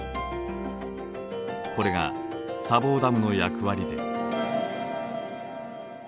これが砂防ダムの役割です。